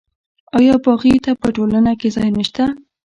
آیا باغي ته په ټولنه کې ځای نشته؟